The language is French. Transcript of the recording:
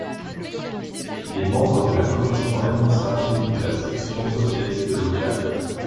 Il est membre de la commission administrative de la section socialiste locale.